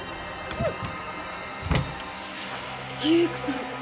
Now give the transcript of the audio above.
うっ。